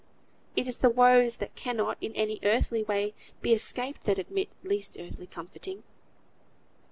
It is the woes that cannot in any earthly way be escaped that admit least earthly comforting.